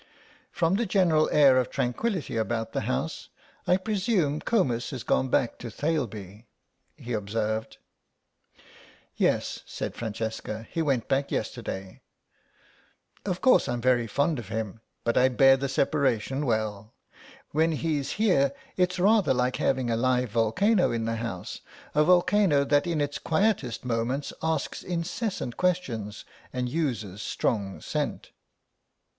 "From the general air of tranquillity about the house I presume Comus has gone back to Thaleby," he observed. "Yes," said Francesca, "he went back yesterday. Of course, I'm very fond of him, but I bear the separation well. When he's here it's rather like having a live volcano in the house, a volcano that in its quietest moments asks incessant questions and uses strong scent."